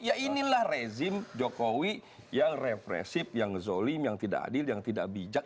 ya inilah rezim jokowi yang represif yang zolim yang tidak adil yang tidak bijak